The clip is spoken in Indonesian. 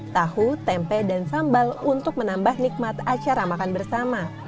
tahu tempe dan sambal untuk menambah nikmat acara makan bersama